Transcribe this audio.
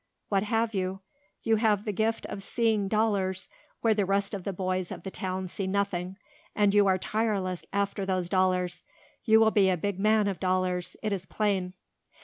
What have you? You have the gift of seeing dollars where the rest of the boys of the town see nothing and you are tireless after those dollars you will be a big man of dollars, it is plain."